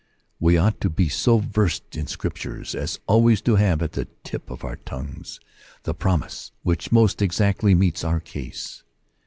We ought to be so versed in Scripture as always to have at the tip of our tongue the promise which most exactly meets our case.